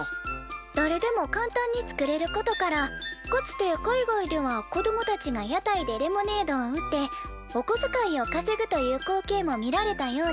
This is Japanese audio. だれでも簡単に作れることからかつて海外では子供たちが屋台でレモネードを売っておこづかいをかせぐという光景も見られたようです。